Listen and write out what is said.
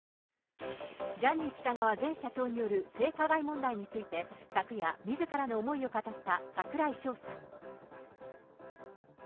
ジャニー喜多川前社長による性加害問題について、昨夜、みずからの思いを語った櫻井翔さん。